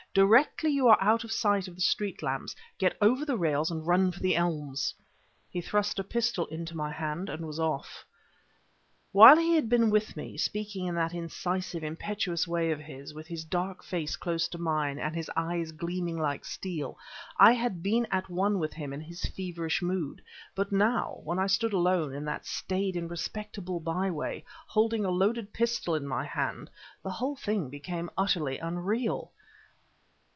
Directly you are out of the light of the street lamps, get over the rails and run for the elms!" He thrust a pistol into my hand and was off. While he had been with me, speaking in that incisive, impetuous way of his, with his dark face close to mine, and his eyes gleaming like steel, I had been at one with him in his feverish mood, but now, when I stood alone, in that staid and respectable byway, holding a loaded pistol in my hand, the whole thing became utterly unreal.